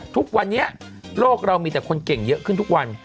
ทุกวันนี้โลกเรามีแต่คนเก่งเยอะขึ้นทุกวัน